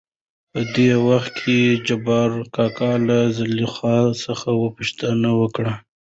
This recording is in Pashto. .په دې وخت کې جبارکاکا له زليخا څخه پوښتنه وکړ.